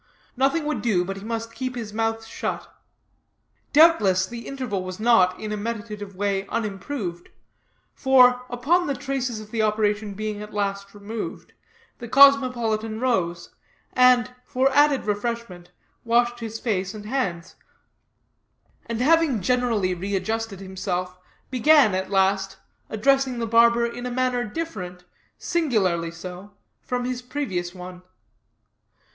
Nothing would do, but he must keep his mouth shut. Doubtless, the interval was not, in a meditative way, unimproved; for, upon the traces of the operation being at last removed, the cosmopolitan rose, and, for added refreshment, washed his face and hands; and having generally readjusted himself, began, at last, addressing the barber in a manner different, singularly so, from his previous one.